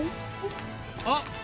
あっ！